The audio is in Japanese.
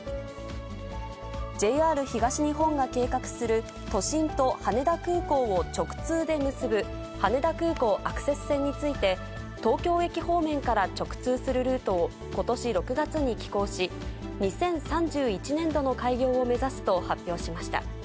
ＪＲ東日本が計画する都心と羽田空港を直通で結ぶ、羽田空港アクセス線について、東京駅方面から直通するルートを、ことし６月に起工し、２０３１年度の開業を目指すと発表しました。